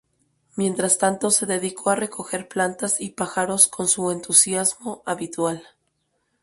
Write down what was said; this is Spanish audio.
Mientras tanto se dedicó a recoger plantas y pájaros con su entusiasmo habitual.